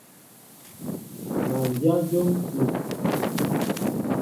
Má ndyă njóm kúw.